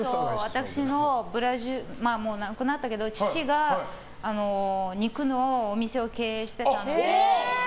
私の、亡くなったけと父が肉のお店を経営してたので。